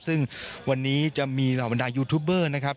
ซึ่งวันนี้จะมีเหล่าบรรดายูทูบเบอร์นะครับ